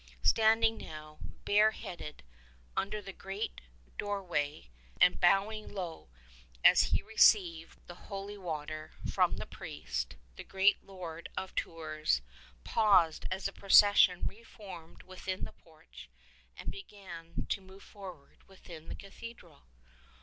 Standing now, bare headed, under the great doorway, and bowing low as he received the 69 holy water from the priest — the great lord of Tours paused as the procession reformed within the porch and began to move forward within the cathedral.